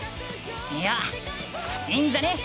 いやいいんじゃね？